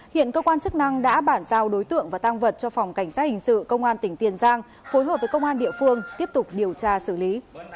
hiện cơ quan chức năng đã bản giao đối tượng và tăng vật cho phòng cảnh sát hình sự công an tỉnh tiền giang phối hợp với công an địa phương tiếp tục điều tra xử lý